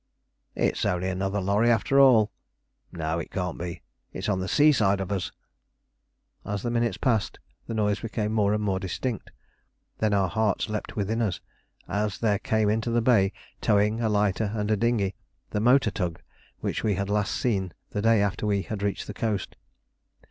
"It's only another lorry after all!" "No, it can't be. It's on the sea side of us!" As the minutes passed, the noise became more and more distinct. Then our hearts leapt within us, as there came into the bay, towing a lighter and a dinghy, the motor tug which we had last seen the day after we had reached the coast.